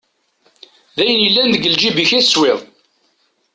D ayen yellan deg lǧib-ik i teswiḍ.